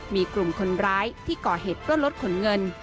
มีกลุ่มคนร้ายที่ก่อเหตุปล้นรถขนเงิน